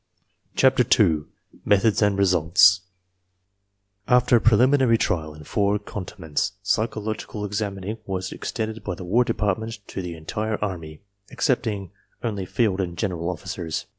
CHAPTER II METHODS AND RESULTS * After preliminary trial in four cantonments psychological examining was extended by the War Department to the entire Army, excepting only field and general officers.